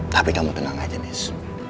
tapi kamu tenang aja nih